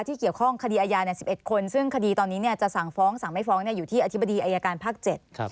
ที่เกี่ยวข้องคดีอาญา๑๑คนซึ่งคดีตอนนี้จะสั่งฟ้องสั่งไม่ฟ้องอยู่ที่อธิบดีอายการภาค๗